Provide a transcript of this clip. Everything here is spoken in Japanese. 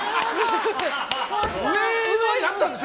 上のほうにあったんでしょ？